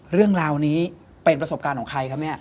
เรื่องราวนี้เป็นประสบการณ์ของใครครับเนี่ย